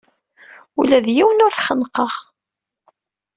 Ula d yiwen ur t-xennqeɣ.